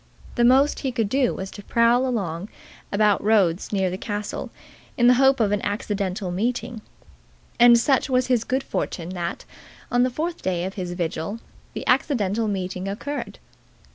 The most he could do was to prowl about roads near the castle in the hope of an accidental meeting. And such was his good fortune that, on the fourth day of his vigil, the accidental meeting occurred.